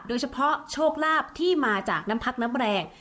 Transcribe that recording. โดยเฉพาะโชคลาภที่มาจากน้ำพักน้ำแรง